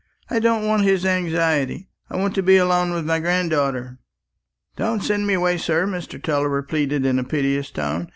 "I don't want his anxiety; I want to be alone with my granddaughter." "Don't send me away, sir," Mr. Tulliver pleaded in a piteous tone.